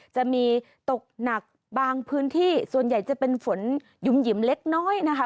จะมีตกหนักบางพื้นที่ส่วนใหญ่จะเป็นฝนหยุ่มหยิมเล็กน้อยนะคะ